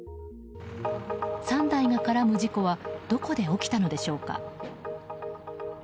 ３台が絡む事故はどこで起きたのでしょうか。